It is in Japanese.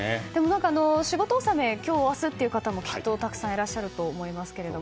仕事納め、今日、明日という方もたくさんいらっしゃると思いますが。